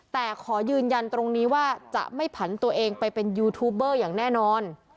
แต่ขอยืนยันตรงนี้ว่าจะไม่ผันตัวเองไปเป็นยูทูบเบอร์อย่างแน่นอน